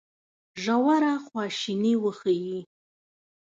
ژوره خواشیني وښيي.